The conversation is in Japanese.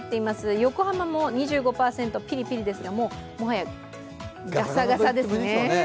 横浜２５％、ピリピリですが、もはやガサガサですね。